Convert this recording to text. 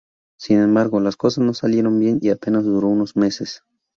Sin embargo, las cosas no salieron bien y apenas duró unos meses.